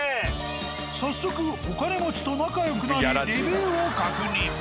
早速お金持ちと仲よくなりレビューを確認。